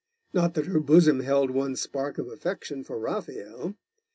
Not that her bosom held one spark of affection for Raphael.